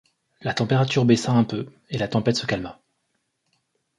La température baissa un peu, et la tempête se calma.